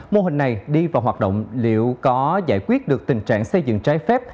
mô hình này đi vào hoạt động liệu có giải quyết được tình trạng xây dựng trái phép